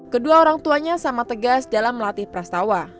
kedua orang tuanya sama tegas dalam melatih pras tawa